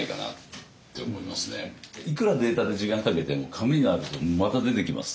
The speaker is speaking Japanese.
いくらデータで時間かけても紙になるとまた出てきます。